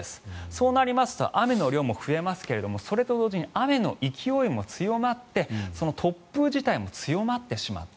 そうなると、雨の量も増えますが雨の勢いも強まって突風自体も強まってしまった。